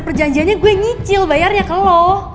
perjanjiannya gue nyicil bayarnya ke lo